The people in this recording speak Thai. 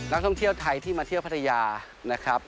นักท่องเที่ยวไทยที่มาเที่ยวพัทยานะครับ